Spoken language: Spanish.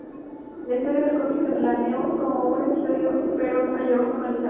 La historia del cómic se planeó como un episodio pero nunca llegó a formalizarse.